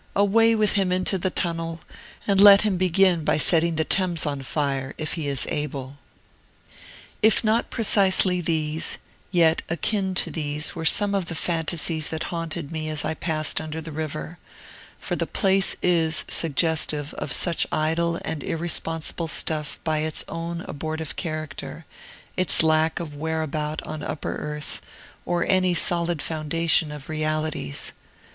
Away with him into the Tunnel, and let him begin by setting the Thames on fire, if he is able! If not precisely these, yet akin to these were some of the fantasies that haunted me as I passed under the river: for the place is suggestive of such idle and irresponsible stuff by its own abortive character, its lack of whereabout on upper earth, or any solid foundation of realities.